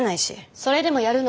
それでもやるの。